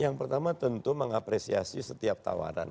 yang pertama tentu mengapresiasi setiap tawaran